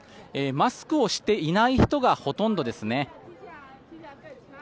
マスクをしていない人がほとんどですね。